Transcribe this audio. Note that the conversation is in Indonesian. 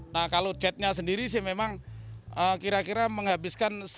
nah kalau chatnya sendiri sih memang kira kira menghabiskan